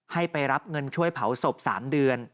ให้ไปรับเงินช่วยเผาศพ๓เดือน